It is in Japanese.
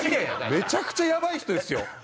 めちゃくちゃヤバい人ですよ。